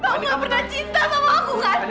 kamu pernah cinta sama aku kan